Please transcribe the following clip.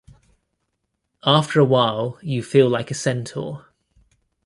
After a while you feel like a centaur.